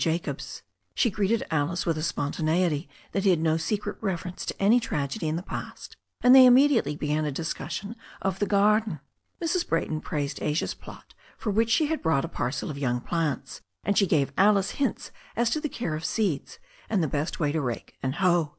Jacobs. She greeted Alice with a spontaneity that hid no secret reference to any trag edy in the past, and they immediately began a discussion of the garden. Mrs. Brayton praised Asia's plot for which she had brought a parcel of young plants, and she gave Alice hints as to the care of seeds, and the best way to rake and hoe.